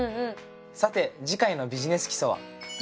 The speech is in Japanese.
さて次回の「ビジネス基礎」は？